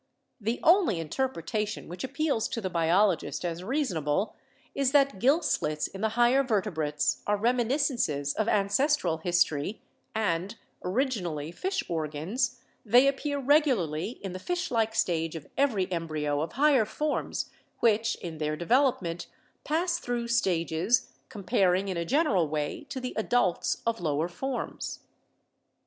The only interpretation which appeals to the biologist as reasonable is that gill slits in the higher vertebrates are reminiscences of ancestral history and, originally fish organs, they appear regularly in the fish like stage of every embryo of higher forms which in their development pass through stages comparing in a general way to the adults of lower forms.